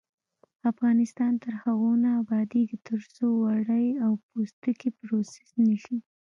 افغانستان تر هغو نه ابادیږي، ترڅو وړۍ او پوستکي پروسس نشي.